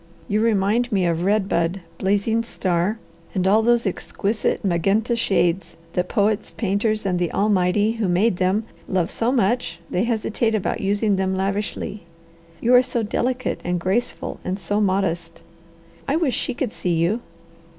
You remind me of red bud, blazing star, and all those exquisite magenta shades that poets, painters, and the Almighty who made them love so much they hesitate about using them lavishly. You are so delicate and graceful and so modest. I wish she could see you!